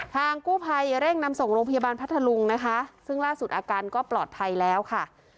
ทางกู้ภัยเร่งนำส่งโรงพยาบาลพัทธลุงนะคะซึ่งล่าสุดอาการก็ปลอดภัยแล้วค่ะ